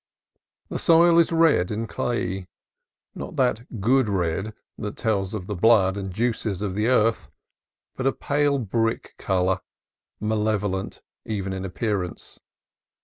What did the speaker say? The soil is red and clayey, not that good red that tells of the blood and juices of the earth, but a pale brick color, malevolent even in appearance.